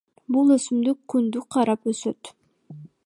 Бул өсүмдүк күндү карап өсөт.